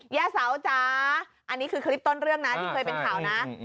ย่าเสาจ๋าอันนี้คือคลิปต้นเรื่องนะที่เคยเป็นข่าวนะ